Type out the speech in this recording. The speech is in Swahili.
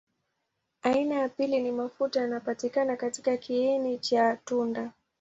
Aina ya pili ni mafuta yanapatikana katika kiini cha tunda.